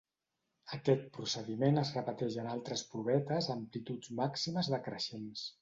Aquest procediment es repeteix en altres provetes a amplituds màximes decreixents.